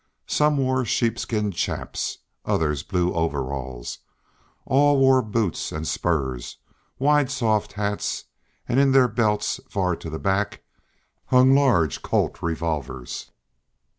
Some wore sheepskin "chaps," some blue overalls; all wore boots and spurs, wide soft hats, and in their belts, far to the back, hung large Colt's revolvers.